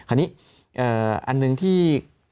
อันหนึ่งที่